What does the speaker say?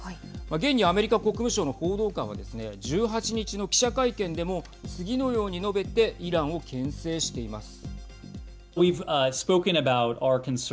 現にアメリカ国務省の報道官はですね１８日の記者会見でも次のように述べてイランをけん制しています。